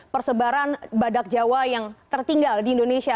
persebaran badak jawa yang tertinggal di indonesia